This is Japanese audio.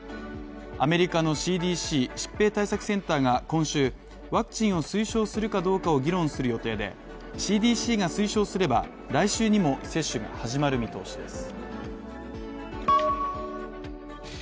アメリカのＣＤＣ＝疾病対策センターが今週、ワクチンを推奨するかどうかを議論する予定でＣＤＣが推奨すれば来週にも接種が始まる見通しです。